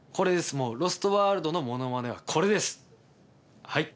もう『ロスト・ワールド』のものまねはこれですはい。